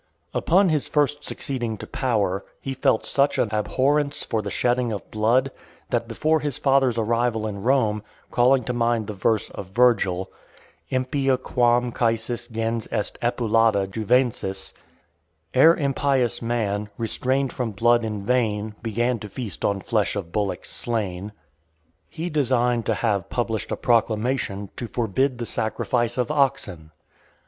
IX. Upon his first succeeding to power, he felt such an abhorrence for the shedding of blood, that, before his father's arrival in Rome, calling to mind the verse of Virgil, Impia quam caesis gens est epulata juvencis, Ere impious man, restrain'd from blood in vain, Began to feast on flesh of bullocks slain, he designed to have published a proclamation, "to forbid the sacrifice of oxen."